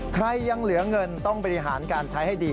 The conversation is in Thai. ใครยังเหลือเงินต้องบริหารการใช้ให้ดี